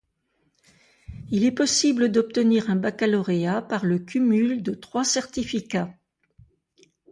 Il est possible d'obtenir un baccalauréat par le cumul de trois certificats.